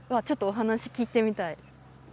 ちょっとお話聞いてみたい。